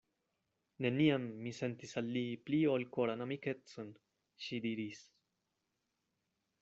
Neniam mi sentis al li pli ol koran amikecon, ŝi diris.